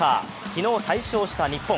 昨日、大勝した日本。